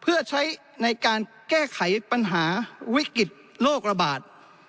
เพื่อใช้ในการแก้ไขปัญหาวิกฤตโรคระบาด